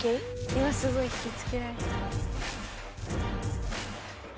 ・今すごい引きつけられた。